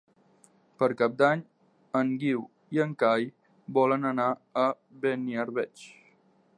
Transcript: Per Cap d'Any en Guiu i en Cai volen anar a Beniarbeig.